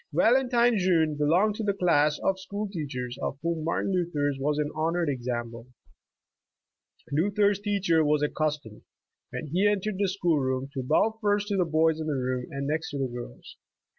Valentine Jeune belonged to the class of school teachers of whom Martin Luther's was an honored ex ample. Luther's teacher was accustomed, when he en tered the school room, to bow first to the boys in th^ room, arid next to the girls.